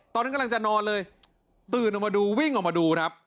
กำลังจะนอนเลยตื่นออกมาดูวิ่งออกมาดูครับ